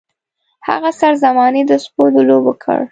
هغه سر زمانې د سپو د لوبو کړ.